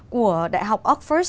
của đại học oxford